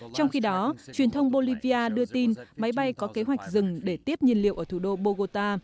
trong khi đó truyền thông bolivia đưa tin máy bay có kế hoạch dừng để tiếp nhiên liệu ở thủ đô bogota